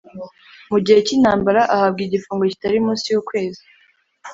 Mu gihe cy intambara ahabwa igifungo kitari munsi y ukwezi